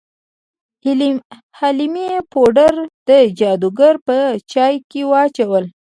حلیمې پوډر د جادوګر په چای کې واچول.